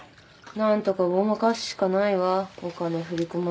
何とかごまかすしかないわお金振り込まれるまで。